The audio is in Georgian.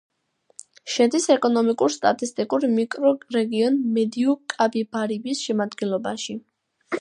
შედის ეკონომიკურ-სტატისტიკურ მიკრორეგიონ მედიუ-კაპიბარიბის შემადგენლობაში.